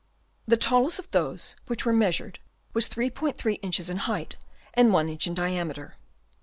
The tallest of those which were measured was 3*3 inches in height and 1 inch in diameter.